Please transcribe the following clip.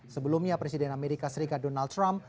sebelumnya presiden amerika serikat donald trump